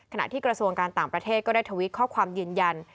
ที่กระทรวงการต่างประเทศก็ได้ทวิตข้อความยืนยัน